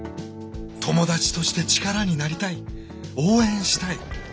友達として力になりたい応援したい。